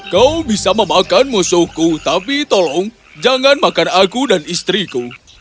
kau bisa memakan musuhku tapi tolong jangan makan aku dan istriku